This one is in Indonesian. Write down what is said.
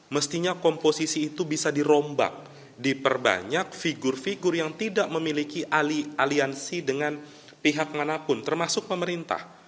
mestinya komposisi itu bisa dirombak diperbanyak figur figur yang tidak memiliki aliansi dengan pihak manapun termasuk pemerintah